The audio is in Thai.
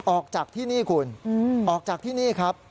ออกจากที่นี่คุณออกจากที่นี่ครับ